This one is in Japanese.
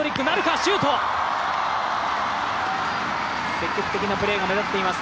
積極的なプレーが目立っています